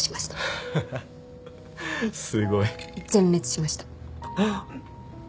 ハハハすごい。全滅しました。